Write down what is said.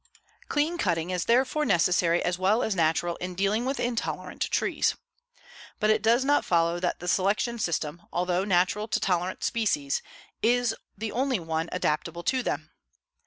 Clean cutting is therefore necessary as well as natural in dealing with intolerant trees. But it does not follow that the selection system, although natural to tolerant species, is the only one adaptable to them.